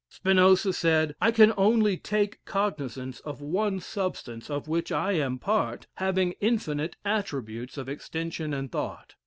Spinoza said, "I can only take cognizance of one substance (of which I am part) having infinite attributes of extension and thought.